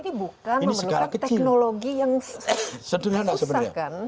dan ini bukan membutuhkan teknologi yang susah kan